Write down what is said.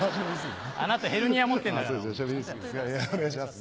あなたヘルニア持ってんだから。